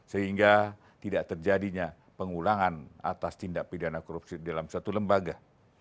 sehingga tidak terjadinya pengulangan atas tindak pidana korupsi dalam satu lembaga